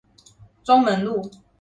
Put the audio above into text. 中門路